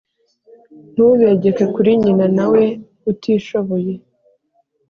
ntubegeke kuri nyina na we utishoboye